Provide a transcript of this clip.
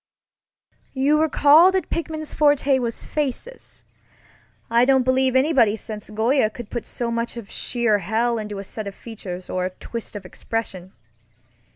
You recall that Pickman's forte was faces. I don't believe anybody since Goya could put so much of sheer hell into a set of features or a twist of expression.